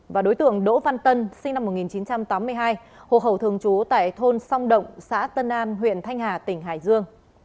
và đối tượng đỗ văn tân sinh năm một nghìn chín trăm tám mươi hai hộ khẩu thường trú tại thôn song động xã tân an huyện thanh hà tỉnh hải dương